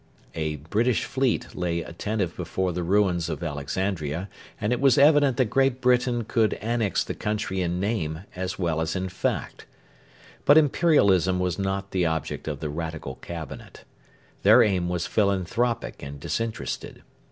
A British fleet lay attentive before the ruins of Alexandria, and it was evident that Great Britain could annex the country in name as well as in fact. But Imperialism was not the object of the Radical Cabinet. Their aim was philanthropic and disinterested.